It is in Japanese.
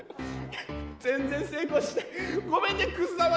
全然成功しない。